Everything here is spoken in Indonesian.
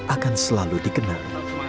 akan selalu dikenal